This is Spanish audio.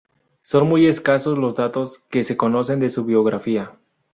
Son muy escasos los datos que se conocen de su biografía.